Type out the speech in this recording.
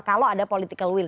kalau ada political will